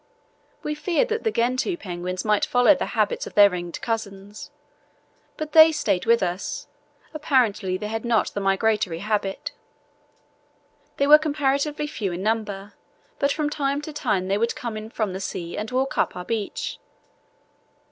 We feared that the gentoo penguins might follow the example of their ringed cousins, but they stayed with us; apparently they had not the migratory habit. They were comparatively few in number, but from time to time they would come in from the sea and walk up our beach.